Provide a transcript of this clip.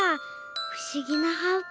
ふしぎなはっぱ。